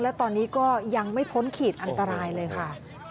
และตอนนี้ก็ยังไม่พ้นขีดอันตรายเลยค่ะ